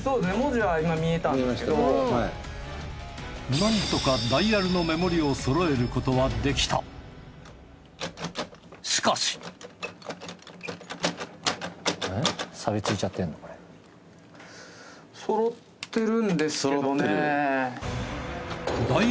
なんとかダイヤルの目盛りを揃えることはできたしかし揃ってる？